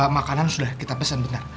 makanan sudah kita pesen bentar